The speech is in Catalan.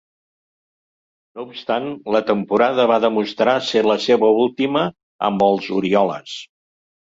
No obstant, la temporada va demostrar ser la seva última amb els Orioles.